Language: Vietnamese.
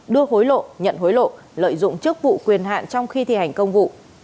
đưa hối lộ nhận hối lộ lợi dụng chức vụ quyền hạn trong khi thi hành công vụ